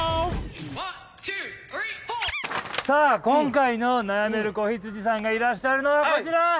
今回の悩める子羊さんがいらっしゃるのはこちら！